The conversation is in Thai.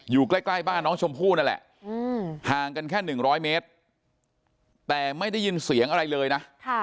อยู่ใกล้บ้านน้องชมพู่นั่นแหละห่างกันแค่๑๐๐เมตรแต่ไม่ได้ยินเสียงอะไรเลยนะ